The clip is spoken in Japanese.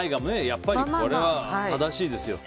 やっぱりこれは正しいですよ。